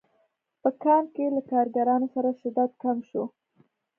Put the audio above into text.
په کان کې له کارګرانو سره شدت کم شو